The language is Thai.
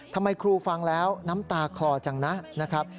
ทำไมครูฟังแล้วน้ำตาคลอจังนะครับ